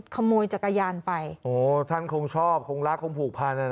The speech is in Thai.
โหโหท่านคงชอบคงรักคงผูกพันธุ์นะ